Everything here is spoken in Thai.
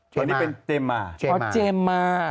ตอนนี้เป็นเจมมา